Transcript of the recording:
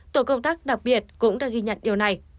tổ công tác đặc biệt cũng đã ghi nhận điều này